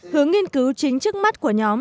hướng nghiên cứu chính trước mắt của nhóm